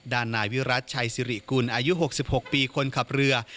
ด้านนายวิรัติชัยสิริกุลอายุ๖๖ปีคนขับเรือ